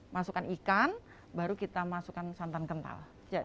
masukkan ikan baru kita masukkan santan kental